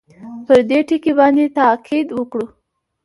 پر دې ټکي باندې تاءکید وکړو.